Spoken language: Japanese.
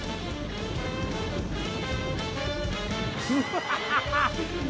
アハハハ！